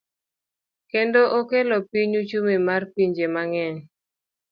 Kendo okelo piny uchumi mar pinje mang'eny.